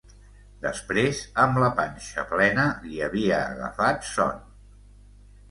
Després, amb la panxa plena, li havia agafat son...